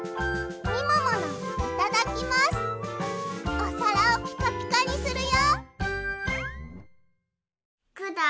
おさらをピカピカにするよ！